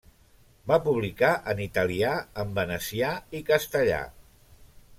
Va publicar en italià, en venecià, i castellà.